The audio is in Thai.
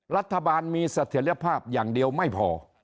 รัฐบาลมีเสถียรภาพอย่างเดียวไม่พอ